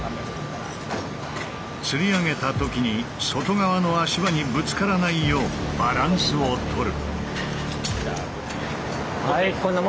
つり上げた時に外側の足場にぶつからないようバランスをとる。